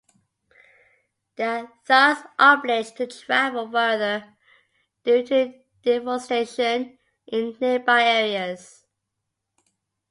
They are thus obliged to travel farther due to deforestation in nearby areas.